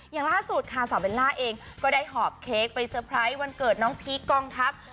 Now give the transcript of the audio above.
อย่างล่าสุดค่ะสาวเบลล่าเองก็ได้หอบเค้กไปเตอร์ไพรส์วันเกิดน้องพีคกองทัพ